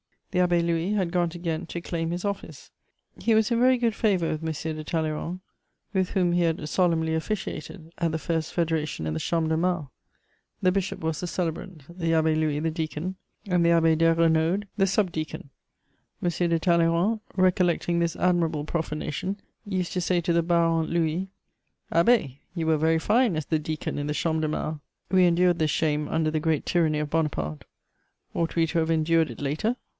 The Abbé Louis had gone to Ghent to claim his office; he was in very good favour with M. de Talleyrand, with whom he had solemnly officiated at the first federation in the Champ de Mars: the bishop was the celebrant, the Abbé Louis the deacon, and the Abbé Desrenaudes the sub deacon. M. de Talleyrand, recollecting this admirable profanation, used to say to the Baron Louis: "Abbé, you were very fine as the deacon in the Champ de Mars!" We endured this shame under the great tyranny of Bonaparte: ought we to have endured it later?